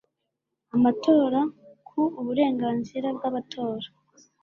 amatora ku uburenganzira bw abatora